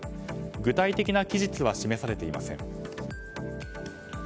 具体的な期日は示されていません。